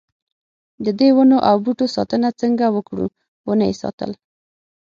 ددې ونو او بوټو ساتنه څنګه وکړو ونه یې ساتل.